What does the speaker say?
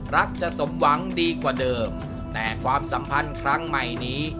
รักจะสมหวังดีกว่าเดิมแต่ความสัมพันธ์ครั้งใหม่นี้